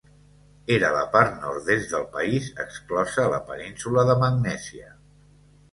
Era la part nord-est del país exclosa la península de Magnèsia.